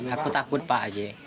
aku takut pak